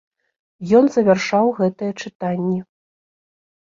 Ён завяршаў гэтыя чытанні.